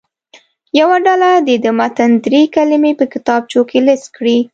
یوه ډله دې د متن دري کلمې په کتابچو کې لیست کړي.